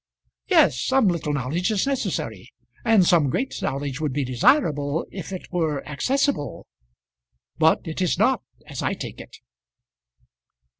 "Yes; some little knowledge is necessary, and some great knowledge would be desirable if it were accessible; but it is not, as I take it."